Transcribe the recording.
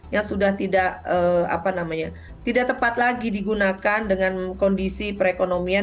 yang sudah tidak tepat lagi digunakan dengan kondisi perekonomian